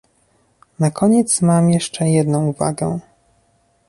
Na koniec mam jeszcze jedną uwagę